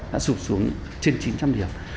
đã sụp xuống trên chín trăm linh điểm